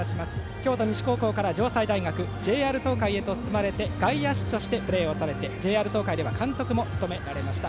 京都西高校から城西大学ＪＲ東海へと進まれて外野手としてプレーされてＪＲ東海では監督も務められました。